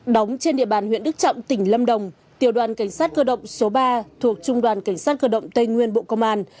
đóng trên địa bàn huyện đức trọng tỉnh lâm đồng tiểu đoàn cảnh sát cơ động số ba thuộc trung đoàn cảnh sát cơ động tây nguyên bộ công an